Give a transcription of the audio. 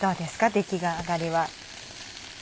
出来上がりは。